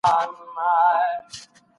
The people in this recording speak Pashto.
د پوهني وضعیت څنګه څیړل کیږي؟